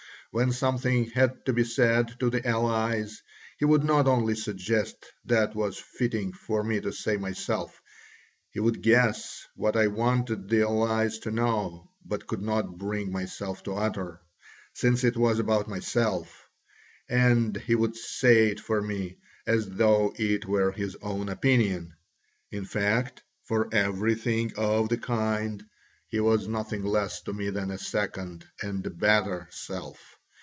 When something had to be said to the allies, he would not only suggest what was fitting for me to say myself, he would guess what I wanted the allies to know but could not bring myself to utter, since it was about myself, and he would say it for me as though it were his own opinion; in fact, for everything of the kind he was nothing less to me than a second and a better self.